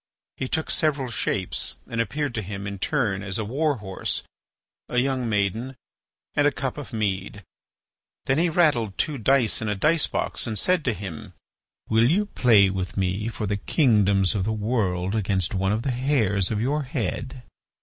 He took several shapes and appeared to him in turn as a war horse, a young maiden, and a cup of mead. Then he rattled two dice in a dicebox and said to him: "Will you play with me for the kingdoms of, the world against one of the hairs of your head?"